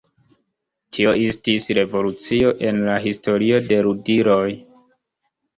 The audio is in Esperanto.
Tio estis revolucio en la historio de ludiloj.